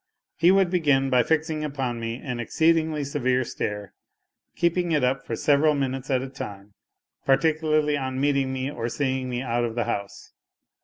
He would begin by fixing upon me an exceedingly severe stare, keeping it up for several minutes at a time, particularly on meeting me or seeing me out of the house.